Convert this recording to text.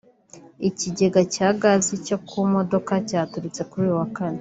Ikigega cya Gazi cyo ku modoka cyaturitse kuri uyu wa Kane